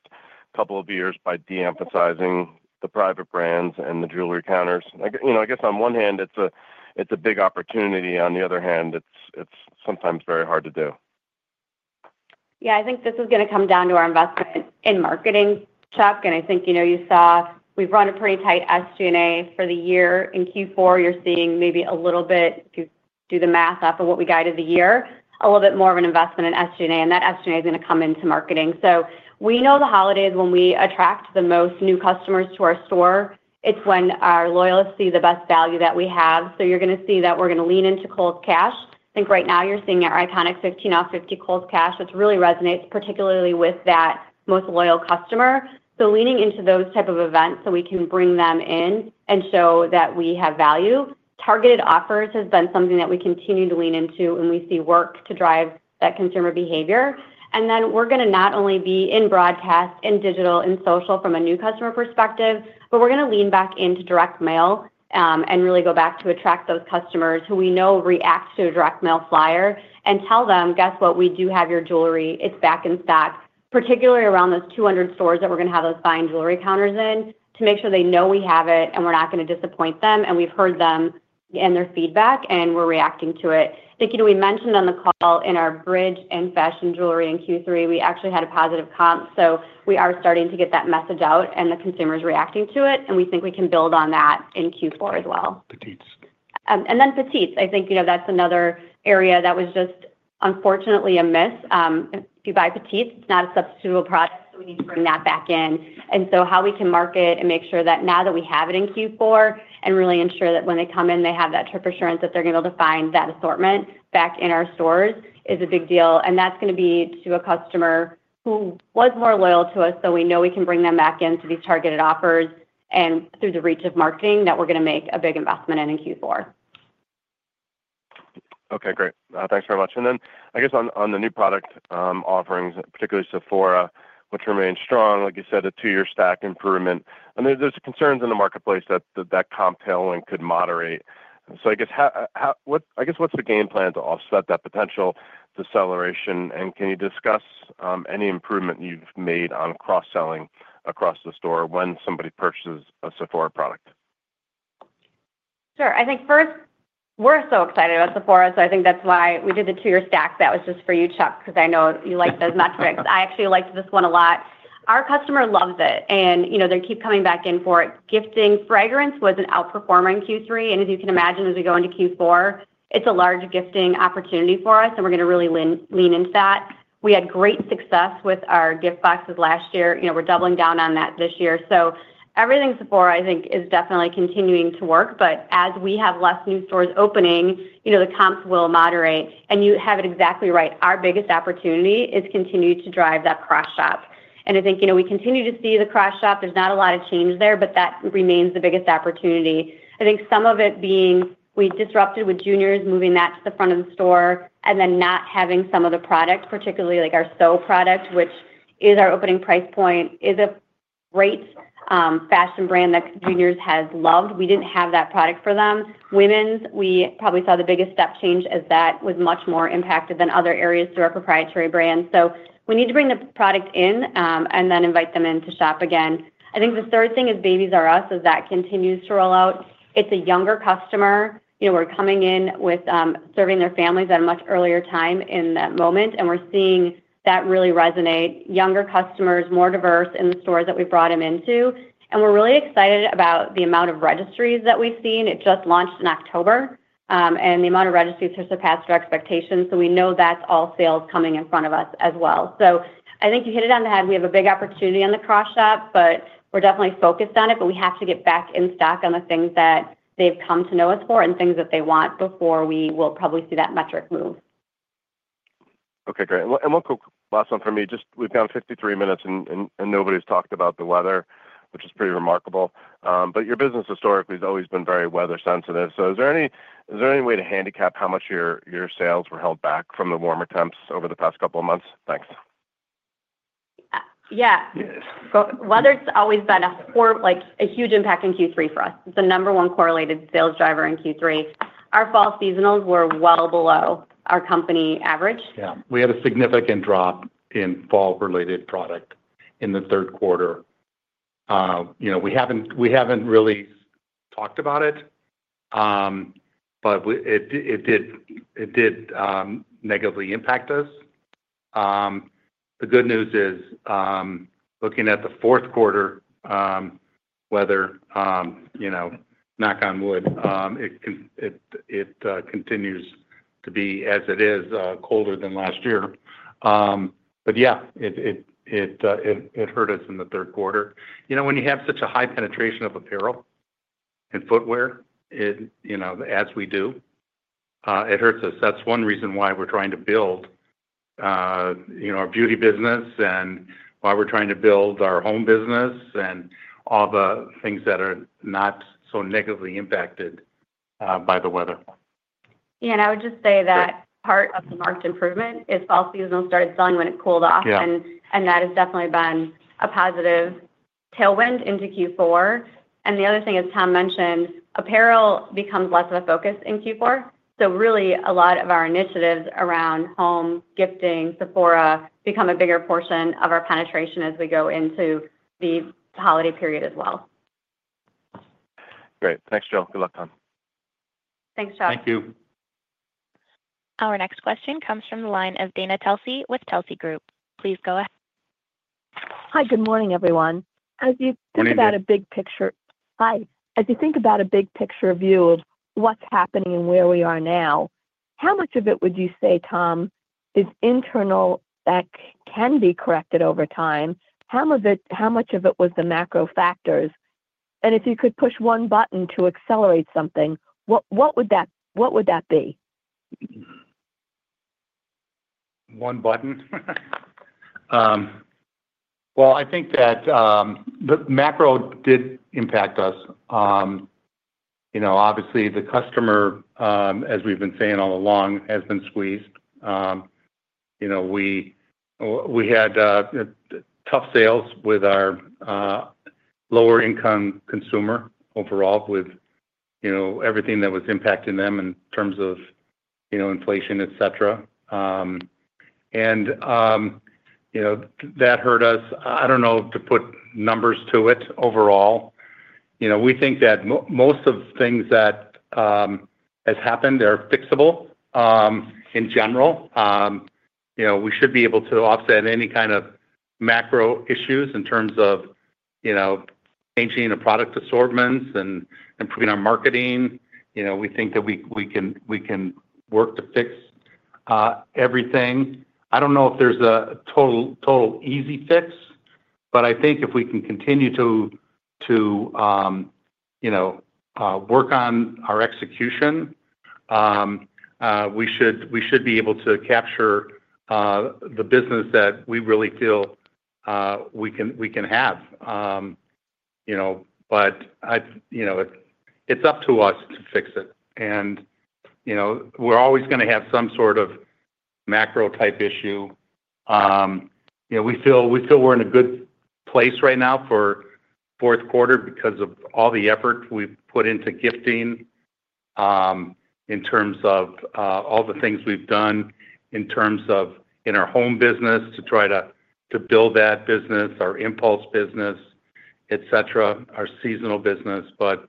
couple of years by de-emphasizing the private brands and the jewelry counters? I guess on one hand, it's a big opportunity. On the other hand, it's sometimes very hard to do. Yeah. I think this is going to come down to our investment in marketing, Chuck. And I think you saw we've run a pretty tight SG&A for the year. In Q4, you're seeing maybe a little bit, if you do the math off of what we guided the year, a little bit more of an investment in SG&A, and that SG&A is going to come into marketing, so we know the holidays when we attract the most new customers to our store. It's when our loyalists see the best value that we have, so you're going to see that we're going to lean into Kohl's Cash. I think right now you're seeing our iconic 15-off-50 Kohl's Cash. That really resonates particularly with that most loyal customer, so leaning into those type of events so we can bring them in and show that we have value. Targeted offers has been something that we continue to lean into when we see work to drive that consumer behavior. And then we're going to not only be in broadcast, in digital, in social from a new customer perspective, but we're going to lean back into direct mail and really go back to attract those customers who we know react to a direct mail flyer and tell them, "Guess what? We do have your jewelry. It's back in stock," particularly around those 200 stores that we're going to have those fine jewelry counters in to make sure they know we have it and we're not going to disappoint them. And we've heard them and their feedback, and we're reacting to it. I think we mentioned on the call in our bridge in fashion jewelry in Q3, we actually had a positive comp. So we are starting to get that message out, and the consumer is reacting to it. And we think we can build on that in Q4 as well. [CROSSTALK] And then Petites. I think that's another area that was just unfortunately a miss. If you buy Petites, it's not a substitutable product, so we need to bring that back in. And so how we can market and make sure that now that we have it in Q4 and really ensure that when they come in, they have that trip assurance that they're going to be able to find that assortment back in our stores is a big deal. And that's going to be to a customer who was more loyal to us, so we know we can bring them back into these targeted offers and through the reach of marketing that we're going to make a big investment in in Q4. Okay. Great. Thanks very much. And then I guess on the new product offerings, particularly Sephora, which remains strong, like you said, a two-year stack improvement. I mean, there's concerns in the marketplace that that comp tailing could moderate. So I guess what's the game plan to offset that potential deceleration? And can you discuss any improvement you've made on cross-selling across the store when somebody purchases a Sephora product? Sure. I think first, we're so excited about Sephora, so I think that's why we did the two-year stack. That was just for you, Chuck, because I know you like those metrics. I actually liked this one a lot. Our customer loves it, and they keep coming back in for it. Gifting fragrance was an outperformer in Q3. And as you can imagine, as we go into Q4, it's a large gifting opportunity for us, and we're going to really lean into that. We had great success with our gift boxes last year. We're doubling down on that this year. So everything Sephora, I think, is definitely continuing to work. But as we have less new stores opening, the comps will moderate. And you have it exactly right. Our biggest opportunity is continuing to drive that cross-shop. And I think we continue to see the cross-shop. There's not a lot of change there, but that remains the biggest opportunity. I think some of it being we disrupted with Juniors moving that to the front of the store and then not having some of the product, particularly our SO product, which is our opening price point, is a great fashion brand that Juniors has loved. We didn't have that product for them. Women's, we probably saw the biggest step change as that was much more impacted than other areas through our proprietary brand. So we need to bring the product in and then invite them in to shop again. I think the third thing is Babies "R" Us, that continues to roll out. It's a younger customer. We're coming in with serving their families at a much earlier time in that moment, and we're seeing that really resonate. Younger customers, more diverse in the stores that we've brought them into, and we're really excited about the amount of registries that we've seen. It just launched in October, and the amount of registries has surpassed our expectations, so we know that's all sales coming in front of us as well. So I think you hit it on the head. We have a big opportunity on the cross-shop, but we're definitely focused on it, but we have to get back in stock on the things that they've come to know us for and things that they want before we will probably see that metric move. Okay. Great. One quick last one from me. We've gone 53 minutes, and nobody's talked about the weather, which is pretty remarkable. But your business historically has always been very weather sensitive. So is there any way to handicap how much your sales were held back from the warmer temps over the past couple of months? Thanks. Yeah. Weather's always been a huge impact in Q3 for us. It's the number one correlated sales driver in Q3. Our fall seasonals were well below our company average. Yeah. We had a significant drop in fall-related product in the third quarter. We haven't really talked about it, but it did negatively impact us. The good news is looking at the fourth quarter weather, knock on wood, it continues to be as it is, colder than last year. But yeah, it hurt us in the third quarter. When you have such a high penetration of apparel and footwear, as we do, it hurts us. That's one reason why we're trying to build our beauty business and why we're trying to build our home business and all the things that are not so negatively impacted by the weather. Yeah. And I would just say that part of the market improvement is fall season started selling when it cooled off. And that has definitely been a positive tailwind into Q4. And the other thing is Tom mentioned, apparel becomes less of a focus in Q4. So really, a lot of our initiatives around home, gifting, Sephora become a bigger portion of our penetration as we go into the holiday period as well. Great. Thanks, Jill. Good luck, Tom. Thanks, Chuck. Thank you. Our next question comes from the line of Dana Telsey with Telsey Advisory Group. Please go ahead. Hi. Good morning, everyone. As you think about a big picture view of what's happening and where we are now, how much of it would you say, Tom, is internal that can be corrected over time? How much of it was the macro factors? And if you could push one button to accelerate something, what would that be? One button? Well, I think that the macro did impact us. Obviously, the customer, as we've been saying all along, has been squeezed. We had tough sales with our lower-income consumer overall with everything that was impacting them in terms of inflation, etc. And that hurt us. I don't know to put numbers to it overall. We think that most of the things that have happened are fixable in general. We should be able to offset any kind of macro issues in terms of changing the product assortments and improving our marketing. We think that we can work to fix everything. I don't know if there's a total easy fix, but I think if we can continue to work on our execution, we should be able to capture the business that we really feel we can have, but it's up to us to fix it, and we're always going to have some sort of macro-type issue. We feel we're in a good place right now for fourth quarter because of all the effort we've put into gifting in terms of all the things we've done in our home business to try to build that business, our Impulse business, etc., our seasonal business. But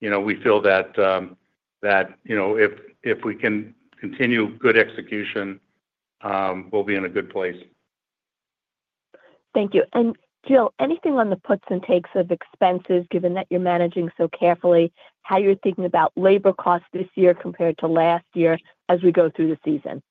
we feel that if we can continue good execution, we'll be in a good place. Thank you. And Jill, anything on the puts and takes of expenses, given that you're managing so carefully, how you're thinking about labor costs this year compared to last year as we go through the season?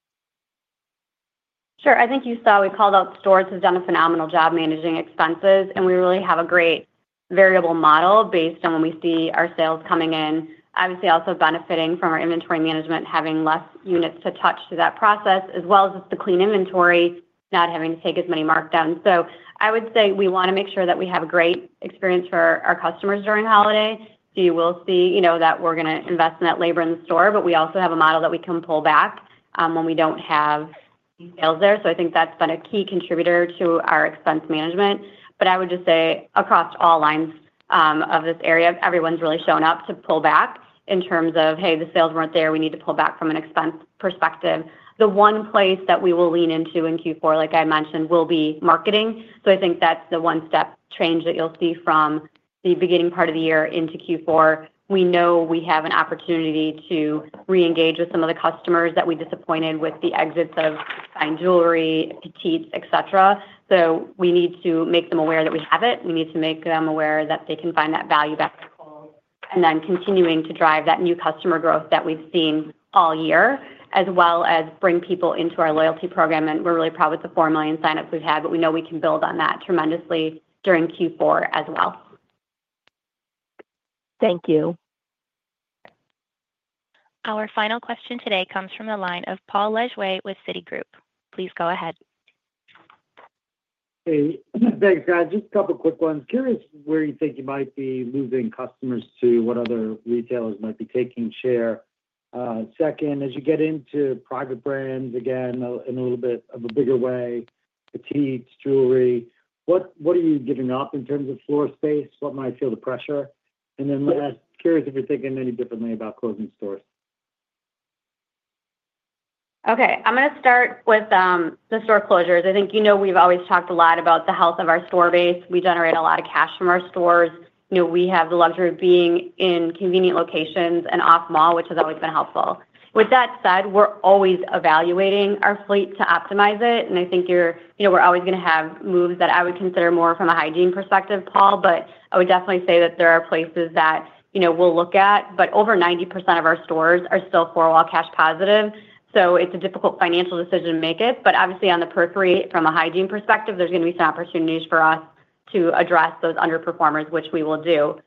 Sure. I think you saw we called out stores have done a phenomenal job managing expenses. And we really have a great variable model based on when we see our sales coming in, obviously also benefiting from our inventory management, having less units to touch to that process, as well as just the clean inventory, not having to take as many markdowns. So I would say we want to make sure that we have a great experience for our customers during holiday. So you will see that we're going to invest in that labor in the store. But we also have a model that we can pull back when we don't have sales there. So I think that's been a key contributor to our expense management. But I would just say across all lines of this area, everyone's really shown up to pull back in terms of, "Hey, the sales weren't there. We need to pull back from an expense perspective." The one place that we will lean into in Q4, like I mentioned, will be marketing. So I think that's the one step change that you'll see from the beginning part of the year into Q4. We know we have an opportunity to re-engage with some of the customers that we disappointed with the exits of fine jewelry, Petites, etc. So we need to make them aware that we have it. We need to make them aware that they can find that value back at Kohl's. And then continuing to drive that new customer growth that we've seen all year, as well as bring people into our loyalty program. And we're really proud with the 4 million sign-ups we've had, but we know we can build on that tremendously during Q4 as well. Thank you. Our final question today comes from the line of Paul Lejuez with Citi. Please go ahead. Hey. Thanks, guys. Just a couple of quick ones. Curious where you think you might be moving customers to, what other retailers might be taking share. Second, as you get into private brands again in a little bit of a bigger way, Petites, jewelry, what are you giving up in terms of floor space? What might feel the pressure? And then last, curious if you're thinking any differently about closing stores. Okay. I'm going to start with the store closures. I think you know we've always talked a lot about the health of our store base. We generate a lot of cash from our stores. We have the luxury of being in convenient locations and off-mall, which has always been helpful. With that said, we're always evaluating our fleet to optimize it and I think we're always going to have moves that I would consider more from a hygiene perspective, Paul, but I would definitely say that there are places that we'll look at, but over 90% of our stores are still four-wall cash positive. So it's a difficult financial decision to make it, but obviously, on the periphery, from a hygiene perspective, there's going to be some opportunities for us to address those underperformers, which we will do.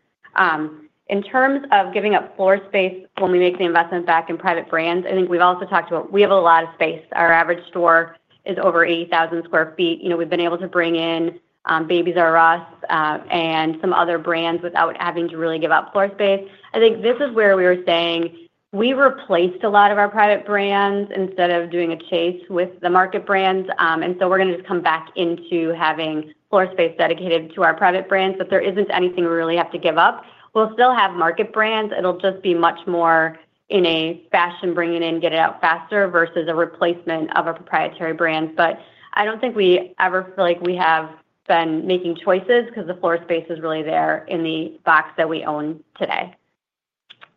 In terms of giving up floor space when we make the investment back in private brands, I think we've also talked about we have a lot of space. Our average store is over 80,000 square feet. We've been able to bring in Babies "R" Us and some other brands without having to really give up floor space. I think this is where we were saying we replaced a lot of our private brands instead of doing a chase with the market brands. And so we're going to just come back into having floor space dedicated to our private brands, but there isn't anything we really have to give up. We'll still have market brands. It'll just be much more in a fashion bringing in, get it out faster versus a replacement of a proprietary brand. But I don't think we ever feel like we have been making choices because the floor space is really there in the box that we own today.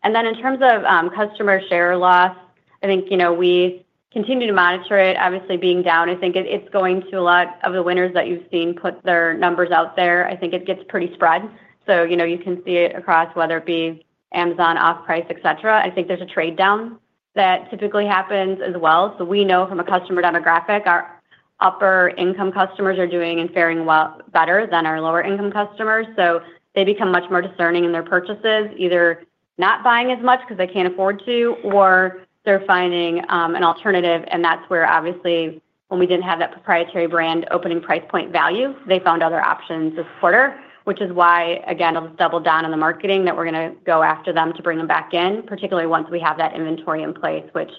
And then in terms of customer share loss, I think we continue to monitor it. Obviously, being down, I think it's going to a lot of the winners that you've seen put their numbers out there. I think it gets pretty spread. So you can see it across whether it be Amazon, off-price, etc. I think there's a trade down that typically happens as well. So we know from a customer demographic, our upper-income customers are doing and faring better than our lower-income customers. So they become much more discerning in their purchases, either not buying as much because they can't afford to, or they're finding an alternative. And that's where, obviously, when we didn't have that proprietary brand opening price point value, they found other options this quarter, which is why, again, it'll double down on the marketing that we're going to go after them to bring them back in, particularly once we have that inventory in place, which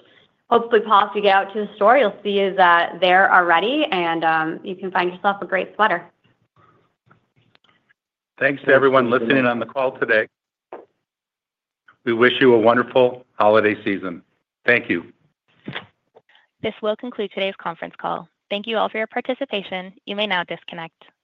hopefully, Paul, if you get out to the store, you'll see is that they're already, and you can find yourself a great sweater. Thanks to everyone listening on the call today. We wish you a wonderful holiday season. Thank you. This will conclude today's conference call. Thank you all for your participation. You may now disconnect.